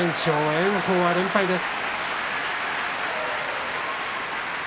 炎鵬は連敗です。